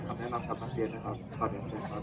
สำหรับต่อไปเจอครูเวียนที่ไทยขอแนะนำกลับมาเรียนนะครับ